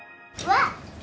わっ。